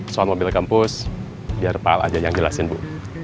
soal mobil kampus biar pal aja yang jelasin bu